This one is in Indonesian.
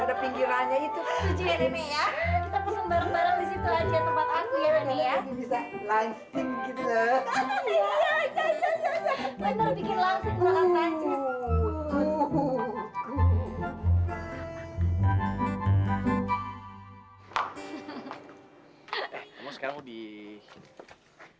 eh kamu sekarang lebih